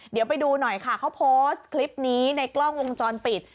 เดี๋ยวไปดูหน่อยค่ะเขาโพสต์คลิปนี้ในกล้องวงจรปิด